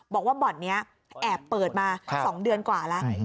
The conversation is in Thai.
บอกว่าบ่อนนี้แอบเปิดมา๒เดือนกว่าแล้ว